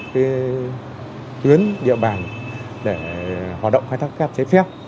và đối tượng tuyến địa bàn để hoạt động khai thác cát trái phép